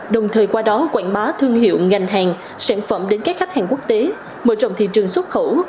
đồng thời qua đó quảng bá thương hiệu ngành hàng sản phẩm đến các khách hàng quốc tế mở rộng thị trường xuất khẩu